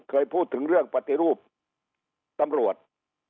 เคยพูดถึงเรื่องปฏิรูปตำรวจ